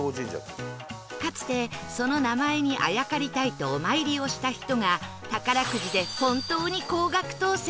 かつてその名前にあやかりたいとお参りをした人が宝くじで本当に高額当せん